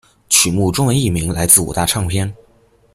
曲目中文译名来自五大唱片。